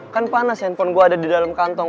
kan panas handphone gue ada di dalam kantong